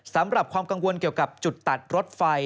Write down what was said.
ความกังวลเกี่ยวกับจุดตัดรถไฟ